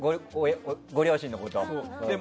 ご両親のこと。